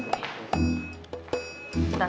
berarti maksudnya ya